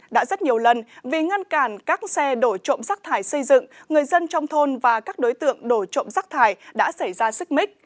đã rất nhiều lần vì ngăn cản các xe đổi trộm rác thải xây dựng người dân trong thôn và các đối tượng đổi trộm rác thải đã xảy ra xích mít